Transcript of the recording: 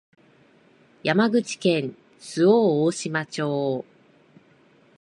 山口県周防大島町